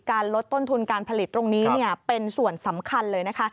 ลดต้นทุนการผลิตตรงนี้เป็นส่วนสำคัญเลยนะคะ